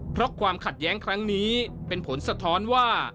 เพราะความขัดแย้งครั้งนี้เป็นผลสะท้อนว่า